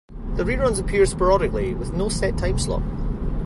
The reruns appear sporadically, with no set time slot.